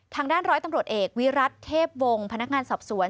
ทางด้านร้อยตำรวจเอกวิรัติเทพวงศ์พนักงานสอบสวน